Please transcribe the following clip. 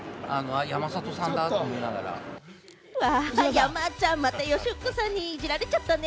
山ちゃん、また吉岡さんにいじられちゃったね。